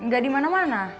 gak di mana mana